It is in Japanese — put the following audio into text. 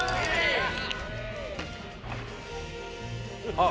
「あっ！